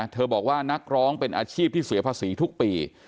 บอกว่านักร้องเป็นอาชีพที่เสียภาษีทุกปี